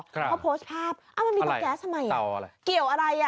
เพราะโพสท์ภาพอ้าวมันมีตัวแก๊สทำไมเอาอะไรเกี่ยวอะไรอ่ะ